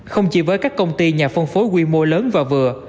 không chỉ với các công ty nhà phân phối quy mô lớn và vừa